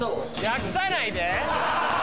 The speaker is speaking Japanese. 訳さないで！